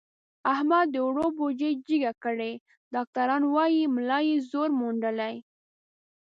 احمد د اوړو بوجۍ جګه کړې، ډاکټران وایي ملا یې زور موندلی.